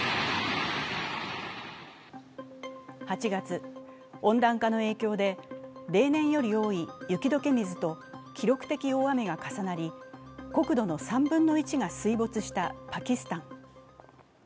８月、温暖化の影響で例年より多い雪解け水と記録的大雨が重なり国土の３分の１が水没したパキスタン。